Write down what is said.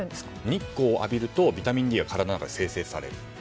日光を浴びるとビタミンＤが体の中で生成される。